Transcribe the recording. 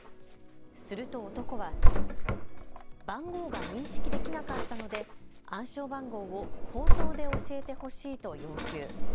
すると男は番号が認識できなかったので暗証番号を口頭で教えてほしいと要求。